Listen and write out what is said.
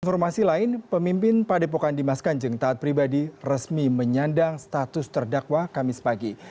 informasi lain pemimpin pak depok andi maskanjeng taat pribadi resmi menyandang status terdakwa kamis pagi